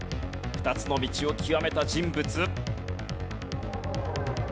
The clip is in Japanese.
２つの道を極めた人物。